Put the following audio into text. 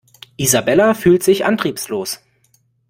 Isabella fühlt sich antriebslos.